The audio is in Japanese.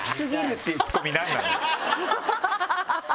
ハハハハ！